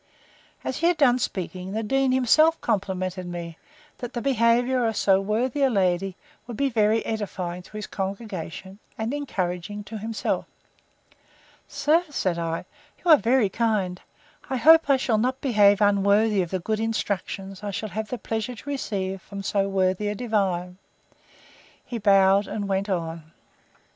As he had done speaking, the dean himself complimented me, that the behaviour of so worthy a lady, would be very edifying to his congregation, and encouraging to himself. Sir, said I, you are very kind: I hope I shall not behave unworthy of the good instructions I shall have the pleasure to receive from so worthy a divine. He bowed, and went on.